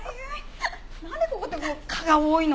なんでここって蚊が多いの？